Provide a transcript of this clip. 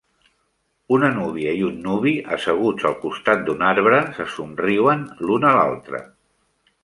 Una núvia i un nuvi asseguts al costat d'un arbre se somriuen l'un a l'altre.